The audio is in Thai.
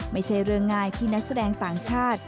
ไม่ใช่เรื่องง่ายที่นักแสดงต่างชาติ